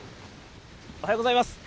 おはようございます。